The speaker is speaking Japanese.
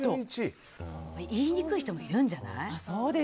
言いにくい人もいるんじゃない。